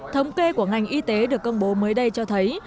thống kê của ngành y tế được công bố mới đây cho thấy